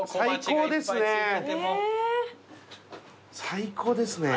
最高ですね。